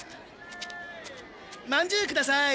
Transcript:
まんじゅうください！